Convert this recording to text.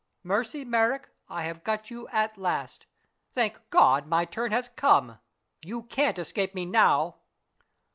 Mercy Merrick, I have got you at last. Thank God, my turn has come! You can't escape me now!"